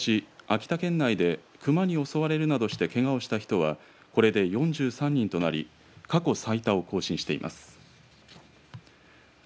秋田県警察本部によりますとことし秋田県内でクマに襲われるなどしてけがをした人はこれで４３人となり過去最多を更新しています。